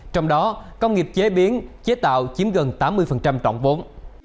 trong đó công nghiệp chế biến chế tạo chiếm gần tám mươi trọng vốn